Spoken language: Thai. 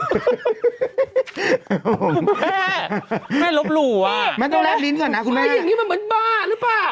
แม่แม่ลบหลู่อ่ะแม่ต้องแรบลิ้นก่อนนะคุณแม่อย่างนี้มันเหมือนบ้าหรือเปล่า